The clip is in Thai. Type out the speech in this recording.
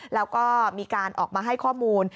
แล้วก็มีการออกมาให้ข้อมูล